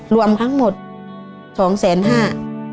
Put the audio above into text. รวมทั้งหมด๒๕๐๐๐๐๐บาท